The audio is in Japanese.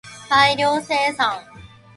大量生産